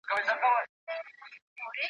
تدبیر وتړي بارونه ځي د وړاندي ,